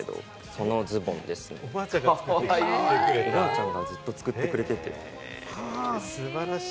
おばあちゃんがずっと作ってくれてて。